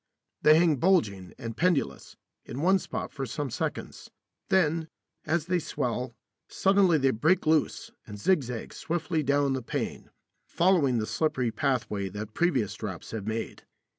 They hang bulging and pendulous, in one spot for some seconds. Then, as they swell, suddenly they break loose and zigzag swiftly down the pane, following the slippery pathway that previous drops have made.